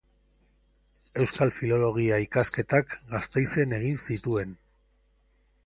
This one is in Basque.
Euskal Filologia ikasketak Gasteizen egin zituen.